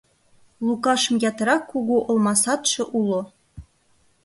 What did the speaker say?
Лукашым ятырак кугу олма садше уло.